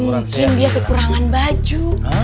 mungkin dia kekurangan baju